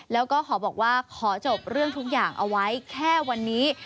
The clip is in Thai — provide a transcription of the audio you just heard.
แล้วก็ขอบอกว่าขอจบเรื่องทุกอย่างเอาไว้แค่วันนี้